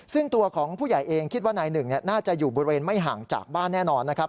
ซึ่งตัวของผู้ใหญ่เองคิดว่านายหนึ่งน่าจะอยู่บริเวณไม่ห่างจากบ้านแน่นอนนะครับ